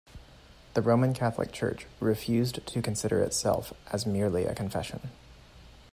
The Roman Catholic Church refused to consider itself as merely a confession.